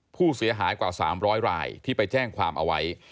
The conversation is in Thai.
ผู้เสียหายกว่า๓๐๐รายที่ไปแจ้งความเอาไว้